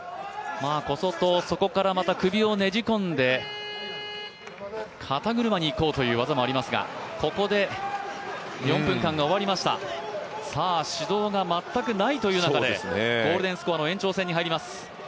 そこからまた首をねじ込んで肩車にいこうという技もありますがここで４分間が終わりました、指導が全くないという中でゴールデンスコアの延長戦に入ります。